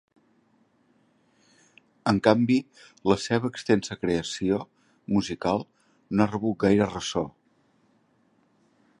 En canvi la seva extensa creació musical no ha rebut gaire ressò.